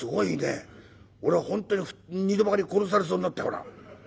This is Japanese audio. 俺本当に２度ばかり殺されそうになったから」。